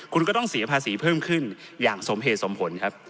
คุณก็ต้องเสียภาษีเพิ่มขึ้นอย่างสมเหตุสมผลครับ